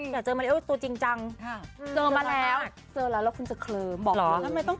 แบบไม่รู้เรื่องแล้วเพราะว่าเม้าความหลอกโอ้